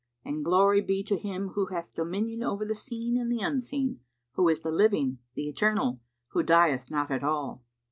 And Glory be to Him who hath dominion over the Seen and the Unseen,[FN#185] who is the Living, the Eternal, Who dieth not at all!